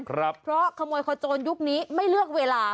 เพราะขโมยขโจรยุคนี้ไม่เลือกเวลา